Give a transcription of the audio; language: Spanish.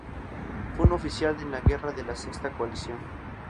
Fue un oficial en la Guerra de la Sexta Coalición.